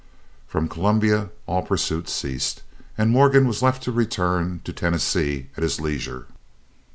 From Columbia all pursuit ceased, and Morgan was left to return to Tennessee at his leisure.